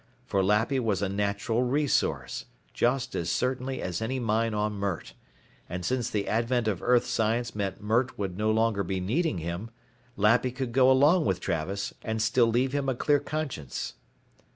For Lappy was a natural resource, just as certainly as any mine on Mert, and since the advent of Earth science meant Mert would no longer be needing him, Lappy could go along with Travis and still leave him a clear conscience.